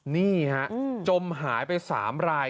นี่ฮะจมหายไป๓ราย